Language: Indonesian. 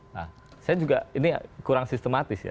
nah saya juga ini kurang sistematis ya